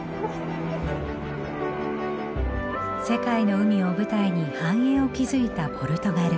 世界の海を舞台に繁栄を築いたポルトガル。